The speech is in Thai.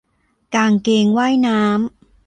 กางเกงว่ายน้ำ